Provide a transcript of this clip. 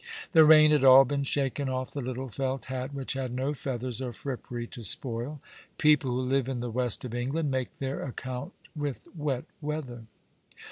The rain had all been shaken off the little felt hat, which had no feathers or frippery to spoil. People who live in the west of England make their account with wet weather.